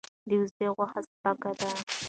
د وزې غوښه سپکه ده.